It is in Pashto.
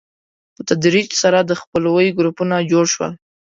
په تدریج سره د خپلوۍ ګروپونه جوړ شول.